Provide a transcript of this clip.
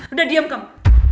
udah diem kamu